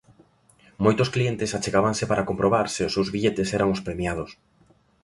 Moitos clientes achegábanse para comprobar se os seus billetes eran os premiados.